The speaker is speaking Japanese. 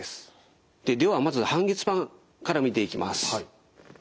ではまず半月板から見ていきます。